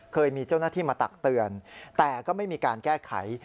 เคยมีเจ้าหน้าที่มาตักเตือนแต่ก็ไม่มีการแก้ไข